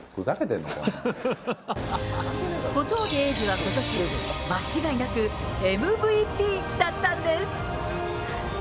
小峠英二はことし、間違いなくＭＶＰだったんです。